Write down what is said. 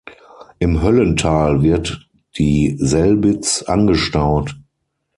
Im Höllental wird die Selbitz angestaut.